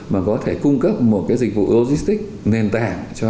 mà có thể cung cấp một dịch vụ logistics nền tảng cho